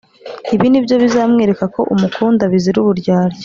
ibi nibyo bizamwereka ko umukunda bizira kuryarya